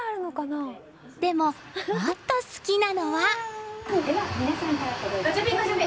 でも、もっと好きなのは。